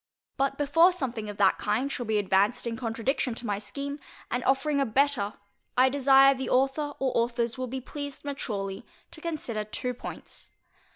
But before something of that kind shall be advanced in contradiction to my scheme, and offering a better, I desire the author or authors will be pleased maturely to consider two points.